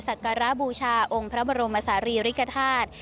สักการะบูชาองค์พระบรมศาลีริกฐาตุ